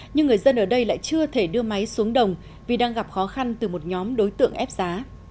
nhưng người dân ở đây lại chưa thể đưa máy xuống đồng vì đang gặp khó khăn từ một nhóm đối tượng ép giá